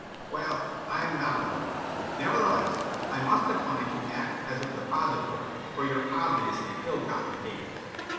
"Well, I'm not a lawyer. Nevertheless, I must decline to act as a depository for your obviously ill gotten gains."